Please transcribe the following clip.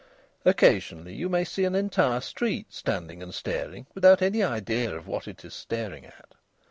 Occasionally you may see an entire street standing and staring without any idea of what it is staring at.